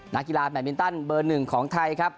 นักกีฬาแบตมินตันเบอร์๑ของไทยครับ